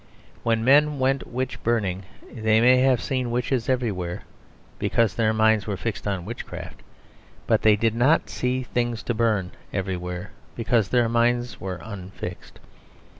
When men went witch burning they may have seen witches everywhere because their minds were fixed on witchcraft. But they did not see things to burn everywhere, because their minds were unfixed.